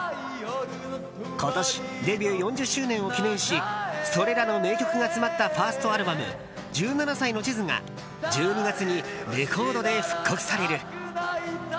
今年デビュー４０周年を記念しそれらの名曲が詰まったファーストアルバム「十七歳の地図」が１２月にレコードで復刻される。